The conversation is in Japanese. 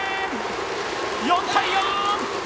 ４対４！